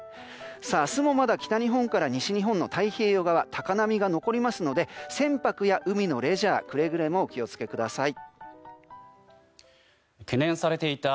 明日もまだ北日本から西日本の太平洋側高波が残りますので船舶や海のレジャーくれぐれもお気を付けください。